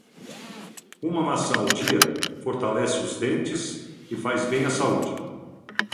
Uma maçã ao dia, fortalece os dentes e faz bem a saúde.